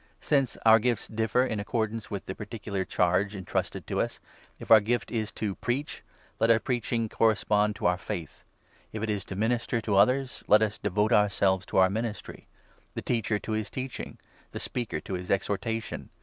Since our gifts differ in accordance 6 with the particular charge entrusted to us, if our gift is to preach, let our preaching correspond to our faith ; if it is to 7 minister to others, let us devote ourselves to our ministry ; the teacher to his teaching, the speaker to his exhortation.